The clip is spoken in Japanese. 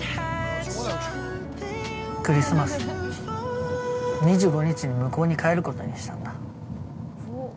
クリスマス、２５日に向こうに帰ることにしたんだ。